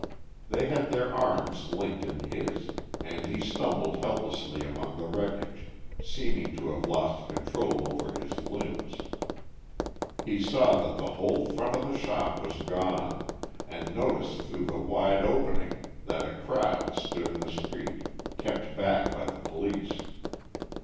They had their arms linked in his, and he stumbled helplessly among the wreckage, seeming to have lost control over his limbs. He saw that the whole front of the shop was gone, and noticed through the wide opening that a crowd stood in the street, kept back by the police.